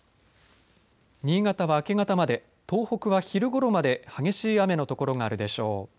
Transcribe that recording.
新潟は、明け方まで東北は昼ごろまで激しい雨の所があるでしょう。